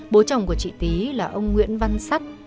bố chồng của chị tý là ông nguyễn văn sắt